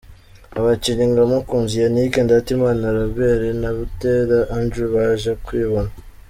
Abakinnyi nka Mukunzi Yannick, Ndatimana Robert na Buteera Andrew baje kwibona.